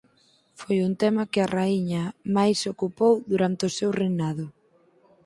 Foi un tema que a Raíña máis se ocupou durante o seu reinado.